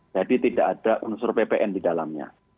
jadi tidak ada unsur ppn di dalamnya